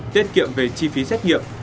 tiết kiệm về chi phí xét nghiệm